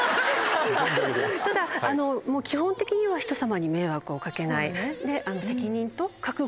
ただ基本的には人さまに迷惑をかけない。